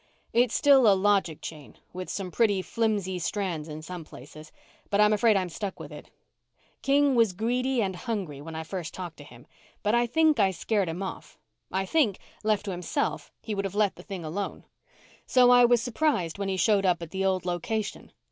"It's still a logic chain, with some pretty flimsy strands in some places, but I'm afraid I'm stuck with it. King was greedy and hungry when I first talked to him, but I think I scared him off. I think, left to himself, he would have let the thing alone. "So I was surprised when he showed up at the old location.